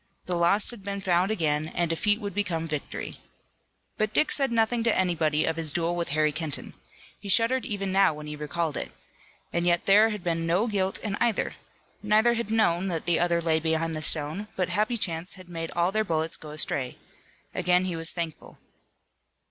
The lost had been found again and defeat would become victory. But Dick said nothing to anybody of his duel with Harry Kenton. He shuddered even now when he recalled it. And yet there had been no guilt in either. Neither had known that the other lay behind the stone, but happy chance had made all their bullets go astray. Again he was thankful.